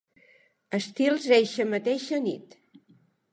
Estils eixa mateixa nit.